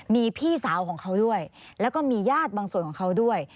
มีพี่สาวของเขาด้วยแล้วก็มีญาติบางส่วนของเขาด้วย